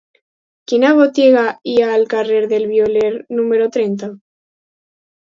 Quina botiga hi ha al carrer del Violer número trenta?